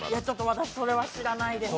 私、それは知らないです。